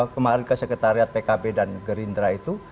kemarin ke sekretariat pkb dan gerindra itu